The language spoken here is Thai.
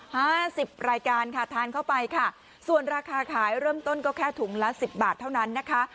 ห้าสิบรายการค่ะทานเข้าไปค่ะส่วนราคาขายเริ่มต้นก็แค่ถุงละสิบบาทเท่านั้นนะคะ